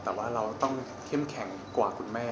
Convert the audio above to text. แต่ว่าเราต้องเข้มแข็งกว่าคุณแม่